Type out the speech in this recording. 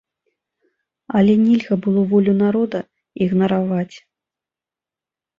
Але нельга было волю народа ігнараваць!